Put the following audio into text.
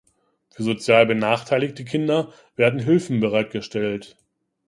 Für sozial benachteiligte Kinder werden Hilfen bereitgestellt.